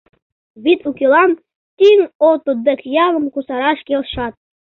Вӱд укелан, тӱҥ ото дек ялым кусараш келшат.